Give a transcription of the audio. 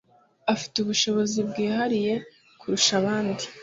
Afite ubushobozi byihariye kurusha abandi